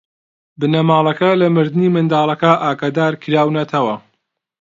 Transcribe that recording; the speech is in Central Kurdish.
بنەماڵەکە لە مردنی منداڵەکە ئاگادار کراونەتەوە.